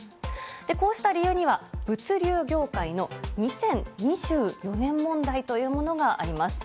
こうした理由には物流業界の２０２４年問題というものがあります。